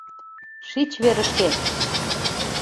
— Шич верышкет!